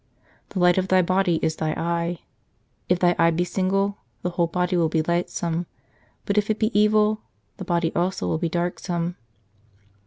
" The light of thy body is thy eye. " If thy eye be single, thy whole body will be lightsome ; but if it be evil, thy body also will be darksome."